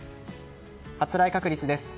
発雷確率です。